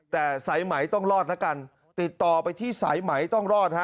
แต่สายไหมต้องรอดแล้วกันติดต่อไปที่สายไหมต้องรอดฮะ